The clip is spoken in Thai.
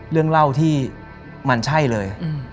เรื่องเล่าที่มันใช่เลย